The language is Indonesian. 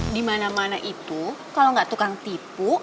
di mana mana itu kalau nggak tukang tipu